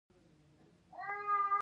د کونړ په مروره کې څه شی شته؟